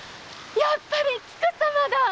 やっぱり菊様だ！